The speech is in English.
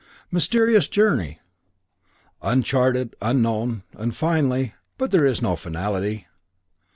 Mysterious journey! Uncharted, unknown and finally but there is no finality!